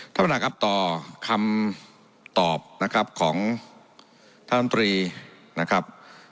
ท่านประธานครับต่อคำตอบนะครับของท่านตรีนะครับ